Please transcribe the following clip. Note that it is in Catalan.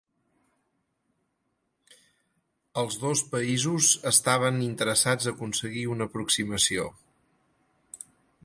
Els dos països estaven interessats a aconseguir una aproximació.